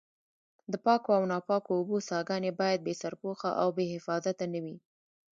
د پاکو او ناپاکو اوبو څاګانې باید بې سرپوښه او بې حفاظته نه وي.